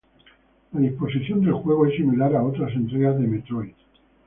La disposición del juego es similar a otras entregas de Metroid.